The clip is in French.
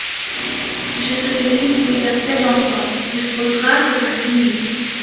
Je te le dis depuis assez longtemps: il faudra que ça finisse.